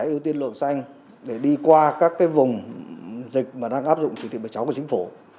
ưu tiên luật xanh để đi qua các vùng dịch mà đang áp dụng chỉ thị bài chóng của chính phủ